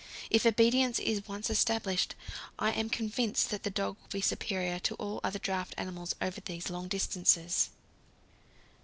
If obedience is once established, I am convinced that the dog will be superior to all other draught animals over these long distances.